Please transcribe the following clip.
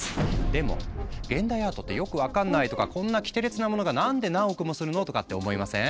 でも「現代アートってよく分かんない？」とか「こんなキテレツなものが何で何億もするの？」とかって思いません？